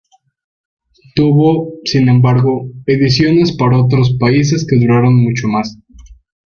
Tuvo, sin embargo, ediciones para otros países que duraron mucho más.